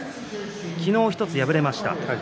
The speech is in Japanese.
昨日、１つ敗れました。